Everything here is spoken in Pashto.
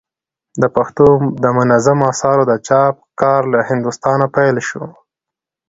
د پښتو دمنظومو آثارو د چاپ کار له هندوستانه پيل سو.